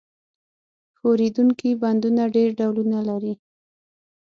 ښورېدونکي بندونه ډېر ډولونه لري.